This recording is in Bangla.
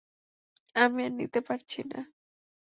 আমি আর নিতে পারছি না।